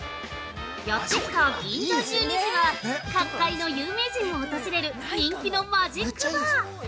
やって来た「銀座十二時」は角界の有名人も訪れる人気のマジックバー。